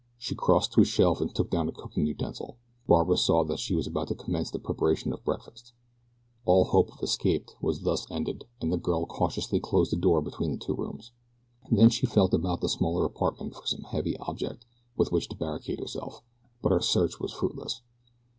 She crossed to a shelf and took down a cooking utensil. Barbara saw that she was about to commence the preparation of breakfast. All hope of escape was thus ended, and the girl cautiously closed the door between the two rooms. Then she felt about the smaller apartment for some heavy object with which to barricade herself; but her search was fruitless.